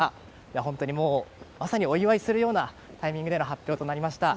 本当に、まさにお祝いするようなタイミングでの発表となりました。